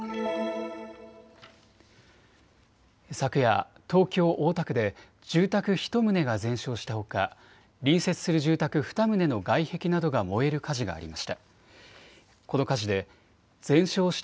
昨夜、東京大田区で住宅１棟が全焼したほか隣接する住宅２棟の外壁などが燃える火事がありました。